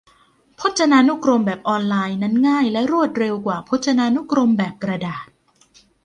พจนานุกรมแบบออนไลน์นั้นง่ายและรวดเร็วกว่าพจนานุกรมแบบกระดาษ